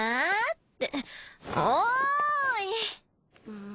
うん。